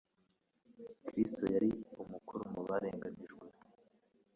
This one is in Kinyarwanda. Kristo yari umukuru mu barenganijwe.